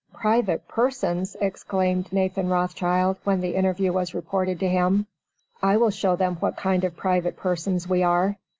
"Private persons!" exclaimed Nathan Rothschild when the interview was reported to him, "I will show them what kind of private persons we are."